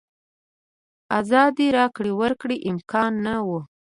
ازادې راکړې ورکړې امکان نه و.